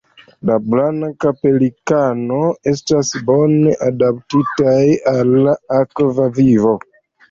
La Blanka pelikano estas bone adaptitaj al akva vivo.